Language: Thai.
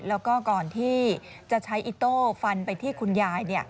แล้วก็ก่อนที่จะใช้อิโต้ฟันไปที่คุณยาย